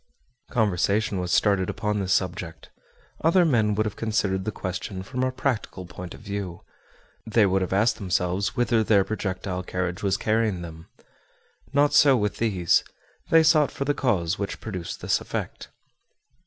Conversation was started upon this subject. Other men would have considered the question from a practical point of view; they would have asked themselves whither their projectile carriage was carrying them. Not so with these; they sought for the cause which produced this effect.